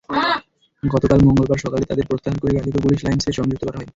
গতকাল মঙ্গলবার সকালে তাঁদের প্রত্যাহার করে গাজীপুর পুলিশ লাইনসে সংযুক্ত করা হয়।